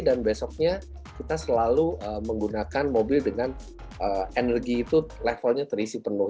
dan besoknya kita selalu menggunakan mobil dengan energi itu levelnya terisi penuh